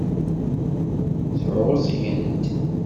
Sɛuẓẓgent.